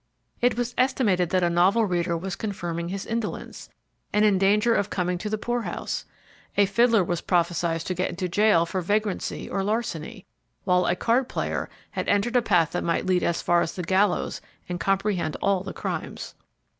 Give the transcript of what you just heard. It was estimated that a novel reader was confirming his indolence, and in danger of coming to the poor house; a fiddler was prophesied to get into jail for vagrancy or larceny; while a card player had entered a path that might lead as far as the gallows and comprehend all the crimes.